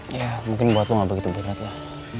ya mungkin buat lu gak begitu berat lah